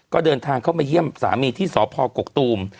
ก็เดินทางเข้ามาเยี่ยมสามีที่สพกกตูม